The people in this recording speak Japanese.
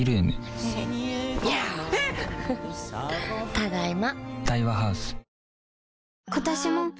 ただいま。